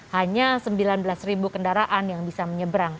hanya sembilan belas kendaraan yang bisa menyeberang